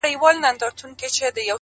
زور لري چي ځان کبابولای سي!!